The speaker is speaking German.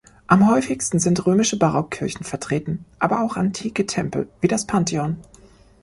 Am häufigsten sind die römischen Barockkirchen vertreten, aber auch antike Tempel wie das Pantheon.